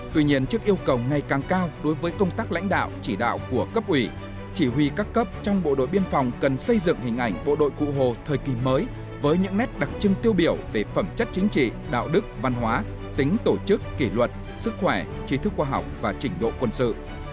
tuy nhiên trước yêu cầu ngày càng cao đối với công tác lãnh đạo chỉ đạo của cấp ủy chỉ huy các cấp trong bộ đội biên phòng cần xây dựng hình ảnh bộ đội cụ hồ thời kỳ mới với những nét đặc trưng tiêu biểu về phẩm chất chính trị đạo đức văn hóa tính tổ chức kỷ luật sức khỏe trí thức khoa học và trình độ quân sự